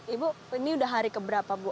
ibu ini udah hari keberapa bu